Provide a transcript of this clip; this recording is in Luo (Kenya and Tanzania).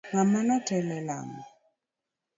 Ng'ama notelo elamo.